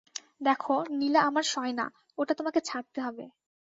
দেখো, নীলা আমার সয় না, ওটা তোমাকে ছাড়তে হবে।